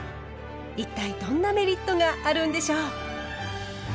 一体どんなメリットがあるんでしょう？